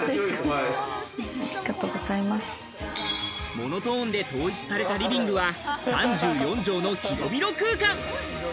モノトーンで統一されたリビングは３４畳の広々空間。